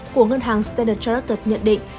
của ngân hàng standard chartered nhận định